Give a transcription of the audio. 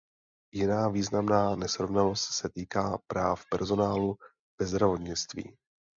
Jiná významná nesrovnalost se týká práv personálu ve zdravotnictví.